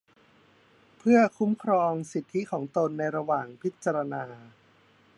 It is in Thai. เพื่อคุ้มครองสิทธิของตนในระหว่างพิจารณา